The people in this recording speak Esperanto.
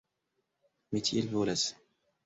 Mi tiel volas.